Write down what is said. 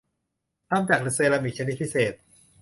ทำจากเซรามิคชนิดพิเศษ